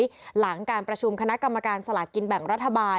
หลังการประชุมคณะกรรมการสลากกินแบ่งรัฐบาล